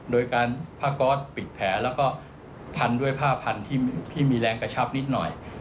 โดยการผ้าก๊อตปิดแผลแล้วก็พันด้วยผ้าพันธุ์ที่มีแรงกระชับนิดหน่อย